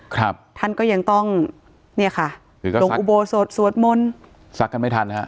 ครับท่านก็ยังต้องเนี่ยค่ะคือก็ลงอุโบสถสวดมนต์ซักกันไม่ทันฮะ